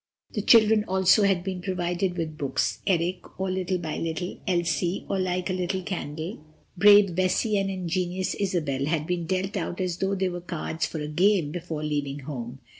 The children also had been provided with books—Eric, or Little by Little; Elsie, or Like a Little Candle; Brave Bessie and Ingenious Isabel had been dealt out as though they were cards for a game, before leaving home.